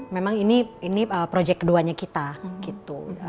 memang ini proyek keduanya kita gitu